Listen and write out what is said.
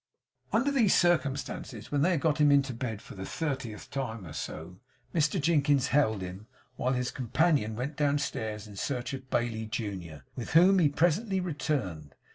Under these circumstances, when they had got him into bed for the thirtieth time or so, Mr Jinkins held him, while his companion went downstairs in search of Bailey junior, with whom he presently returned.